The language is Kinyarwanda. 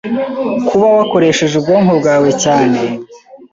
kuba wakoresheje ubwonko bwawe cyane